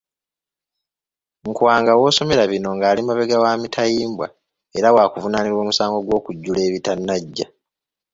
Nkwanga w'osomera bino ng'ali mabega wa mitayimbwa era waakuvunaanibwa omusango gw'okujjula ebitanaggya.